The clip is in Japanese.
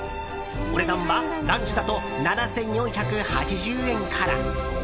お値段はランチだと７４８０円から。